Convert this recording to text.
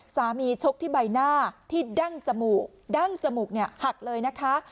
ชกที่ใบหน้าที่ดั้งจมูกดั้งจมูกเนี่ยหักเลยนะคะ